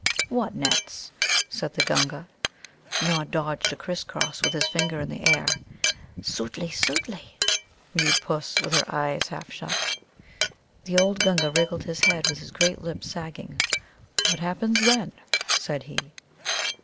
"What nets?" said the Gunga. Nod dodged a crisscross with his finger in the air. "Sōōtli, sōōtli," mewed Puss, with her eyes half shut. The old Gunga wriggled his head with his great lip sagging. "What happens then?" said he.